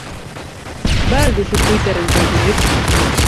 Ba al duzu Twitterren konturik?